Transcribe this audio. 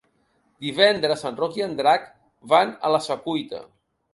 Divendres en Roc i en Drac van a la Secuita.